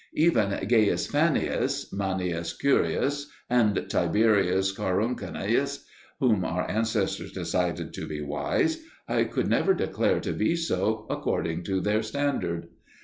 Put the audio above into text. Even Gaius Fannius, Manius Curius, and Tiberius Coruncanius, whom our ancestors decided to be "wise," I could never declare to be so according to their standard.